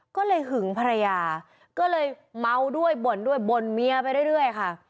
ก็เลยหึงภรรยาก็เลยเมาด้วยบ่นด้วยบ่นเมียไปเรื่อยค่ะ